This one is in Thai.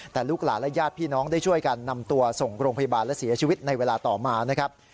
แต่ลูกหลานและญาติพี่น้องได้ช่วยกันนำตัวส่งโรงพยาบาลและเสียชีวิตในเวลาต่อมานะครับ